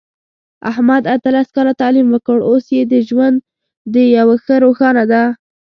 احمد اتلس کاله تعلیم وکړ، اوس یې د ژوند ډېوه ښه روښانه ده.